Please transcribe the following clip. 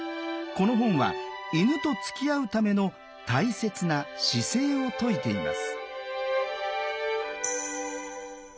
この本は犬とつきあうための大切な姿勢を説いています。